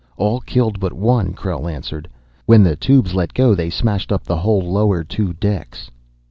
"All killed but one," Krell answered. "When the tubes let go they smashed up the whole lower two decks."